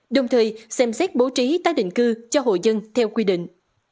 đồng thời xem xét bố trí tái định cư cho hội dân theo quy định